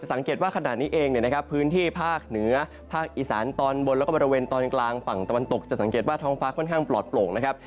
สังเกตว่าท้องฟ้าค่อนข้างปลอดโปร่งนะครับ